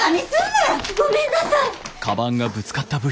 ごめんなさい！